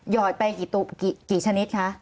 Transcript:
อดไปกี่ชนิดคะ